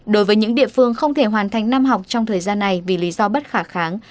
đối với những địa phương không thể hoàn thành năm học trong thời gian này vì lý do bất khả kháng